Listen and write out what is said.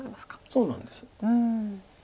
そうなんです。